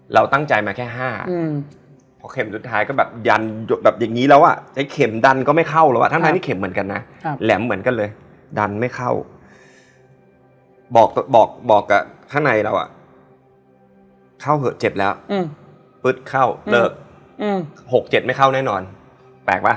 เราพักตอนระหว่างเราเดินออกไปเข้าฉากค่ะ